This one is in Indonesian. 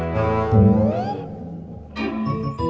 bang udin mau pulang ya